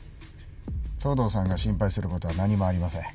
藤堂さんが心配することは何もありません。